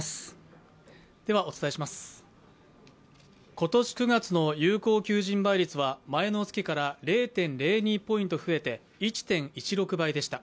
今年９月の有効求人倍率は前の月から０．０２ポイント増えて１．１６倍でした。